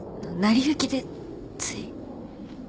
成り行きでつい。